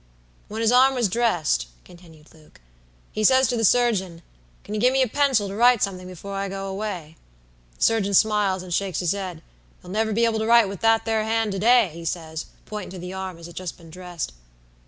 "When his arm was dressed," continued Luke, "he says to the surgeon, 'Can you give me a pencil to write something before I go away?' The surgeon smiles and shakes his head: 'You'll never be able to write with that there hand to day,' he says, pointin' to the arm as had just been dressed.